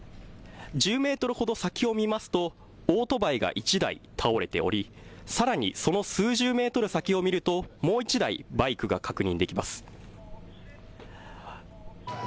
１０メートルほど先を見ますとオートバイが１台倒れておりさらにその数十メートル先を見るともう１台バイクが確認できます。